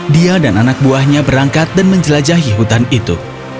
dia dan anak buahnya berangkat dan menjelajahi hutan itu